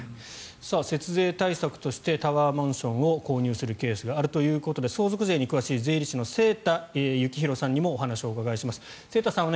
節税対策としてタワーマンションを購入するケースがあるということで相続税に詳しい税理士の清田幸弘さんにもお話をお伺いします。